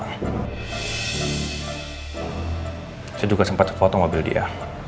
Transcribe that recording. saya juga sempat foto mobil dia